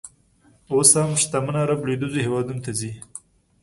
اوس هم شتمن عر ب لویدیځو هېوادونو ته ځي.